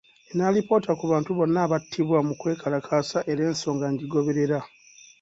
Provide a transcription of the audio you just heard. Nina alipoota ku bantu bonna abattibwa mu kwekalakaasa era ensonga ngigoberera.